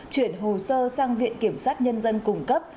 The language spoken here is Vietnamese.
chuyển hồ sơ sang viện kiểm sát nhân dân cung cấp